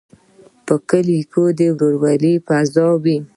په کلیو کې د ورورولۍ فضا وي.